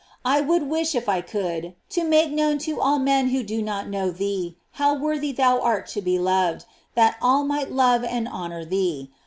I would wish if I could, to make known to all men who do not know thee, how worthy thou art to be loved, that all might love and honor thee.